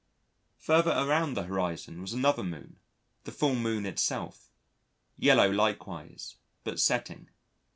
Further around the horizon was another moon the full moon itself yellow likewise, but setting.